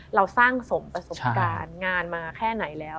เราสร้างสมประสบการณ์งานมาแค่ไหนแล้ว